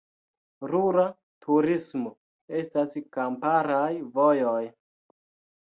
Rura turismo: estas kamparaj vojoj.